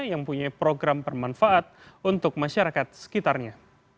yang punya program bermanfaat untuk masyarakat sekitarnya